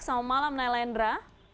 selamat malam nailandra